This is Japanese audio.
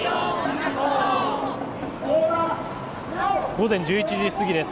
午前１１時過ぎです。